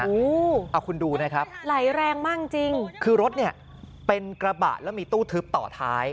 อ้าวคุณดูนะครับคือรถเนี่ยเป็นกระบาดแล้วมีตู้ทึบต่อท้าย